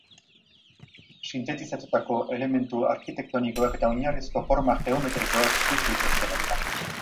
Sintetizatutako elementu arkitektonikoak eta oinarrizko forma geometrikoak ikus daitezke bertan.